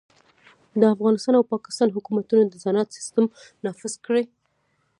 افغانستان او پاکستان حکومتونه د نظارت سیستم نافذ کړي.